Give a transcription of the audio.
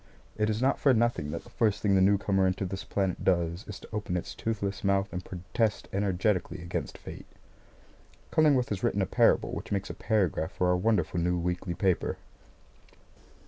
It is not for nothing that the first thing the newcomer into this planet does is to open its toothless mouth and protest energetically against fate. Cullingworth has written a parable which makes a paragraph for our wonderful new weekly paper.